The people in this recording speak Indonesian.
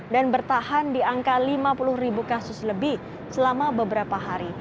dan bertahan di angka lima puluh ribu kasus lebih selama beberapa hari